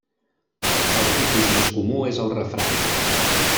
El tipus més comú és el refrany.